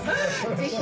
ぜひ。